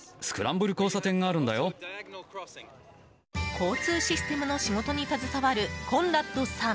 交通システムの仕事に携わるコンラッドさん。